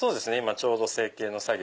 ちょうど成形の作業